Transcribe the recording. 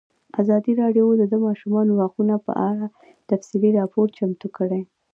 ازادي راډیو د د ماشومانو حقونه په اړه تفصیلي راپور چمتو کړی.